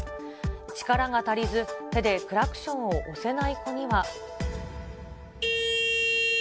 力が足りず、手でクラクションを押せない子には。